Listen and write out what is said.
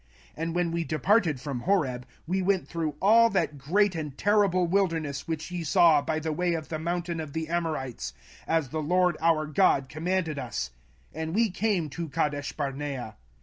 05:001:019 And when we departed from Horeb, we went through all that great and terrible wilderness, which ye saw by the way of the mountain of the Amorites, as the LORD our God commanded us; and we came to Kadeshbarnea.